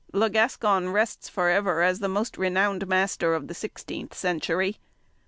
Le Gascon rests for ever as the most renowned master of the 16th century.